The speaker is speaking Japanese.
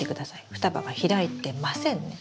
双葉が開いてませんね。